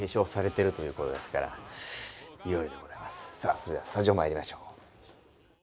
それではスタジオにまいりましょう。